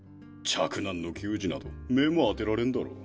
嫡男の給仕など目も当てられんだろう